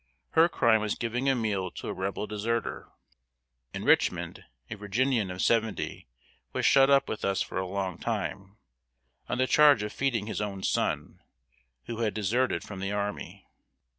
Her crime was, giving a meal to a Rebel deserter! In Richmond, a Virginian of seventy was shut up with us for a long time, on the charge of feeding his own son, who had deserted from the army!